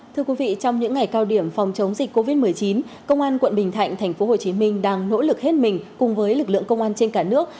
thưa quý vị trong những ngày cao điểm phòng chống dịch covid một mươi chín công an quận bình thạnh tp hcm đang nỗ lực hết mình cùng với lực lượng công an trên cả nước